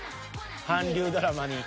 韓流ドラマに。